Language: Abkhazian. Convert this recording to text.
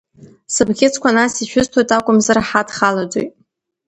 Сыбӷьыцқәа нас ишәысҭоит, акәымзар ҳадхылаӡоит…